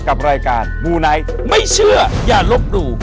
กับรายการมูไนท์ไม่เชื่ออย่าลบหลู่